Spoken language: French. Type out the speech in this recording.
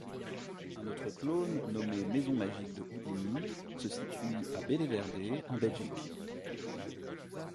Un autre clone nommé Maison Magique de Houdini se situe à Bellewaerde, en Belgique.